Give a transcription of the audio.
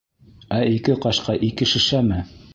— Ә ике ҡашҡа ике шешәме?